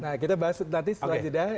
nah kita bahas nanti setelah jeda